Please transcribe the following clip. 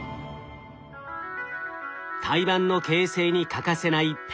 胎盤の形成に欠かせないＰＥＧ１０。